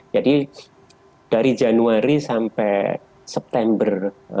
jadi dari januari sampai september dua ribu dua puluh tiga